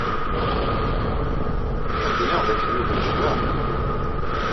Ad iniɣ d akken Yuba yecbeḥ.